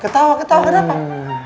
ketawa ketawa kenapa